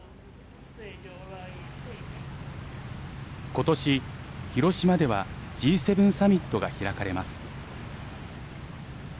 今年、広島ではＧ７サミットが開かれます。